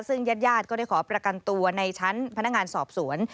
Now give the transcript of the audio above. ซึ่งญาติญาติก็ได้ขอประกันตัวในชั้นพนักงานสอบสวน